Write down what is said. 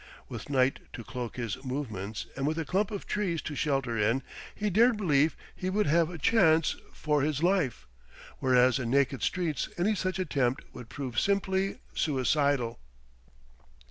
With night to cloak his movements and with a clump of trees to shelter in, he dared believe he would have a chance for his life whereas in naked streets any such attempt would prove simply suicidal.